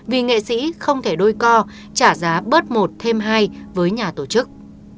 vì nghệ sĩ không thể đôi co trả giá bớt một thêm hai với nhà tổ chức